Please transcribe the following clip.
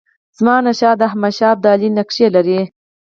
زمانشاه د احمدشاه ابدالي نقشې لري.